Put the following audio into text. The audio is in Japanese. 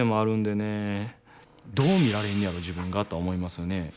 どう見られんねやろ自分がとは思いますよね。